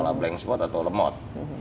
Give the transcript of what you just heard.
lah blank spot atau lemot